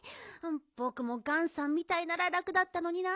ぼくもガンさんみたいなららくだったのにな。